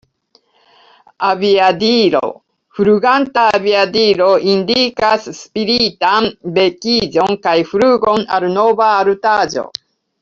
Aviadilo: Fluganta aviadilo indikas spiritan vekiĝon kaj flugon al nova altaĵo.